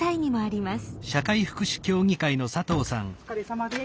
お疲れさまです。